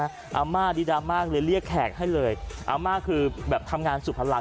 อาม่าดีดรามมากเลยเรียกแขกให้เลยอาม่าคือแบบทำงานสุดพลัง